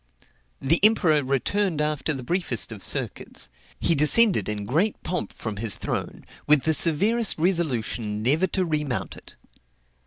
The emperor returned after the briefest of circuits; he descended in great pomp from his throne, with the severest resolution never to remount it.